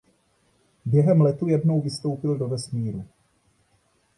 Během letu jednou vystoupil do vesmíru.